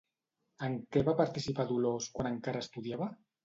En què va participar Dolors quan encara estudiava?